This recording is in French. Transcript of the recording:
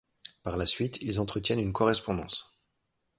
Par la suite, ils entretiennent une correspondance.